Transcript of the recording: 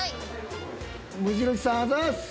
「無印」さんあざす！